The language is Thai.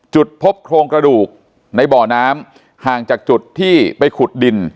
จุดพบโครงกระดูกในบ่อน้ำห่างจากจุดที่ไปขุดดิน